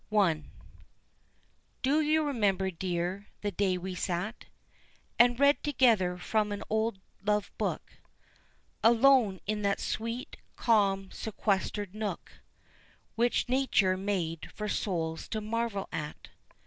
I. Do you remember, dear, the day we sat And read together from an old love book Alone in that sweet, calm, sequestered nook Which Nature made for souls to marvel at?